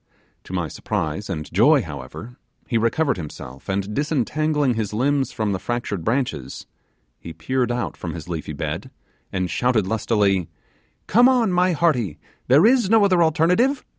To my surprise and joy, however, he recovered himself, and disentangling his limbs from the fractured branches, he peered out from his leafy bed, and shouted lustily, 'Come on, my hearty there is no other alternative!